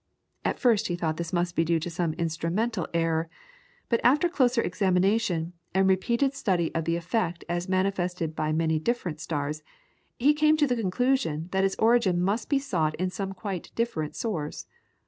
At first he thought this must be due to some instrumental error, but after closer examination and repeated study of the effect as manifested by many different stars, he came to the conclusion that its origin must be sought in some quite different source.